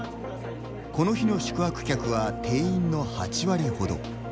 この日の宿泊客は定員の８割ほど。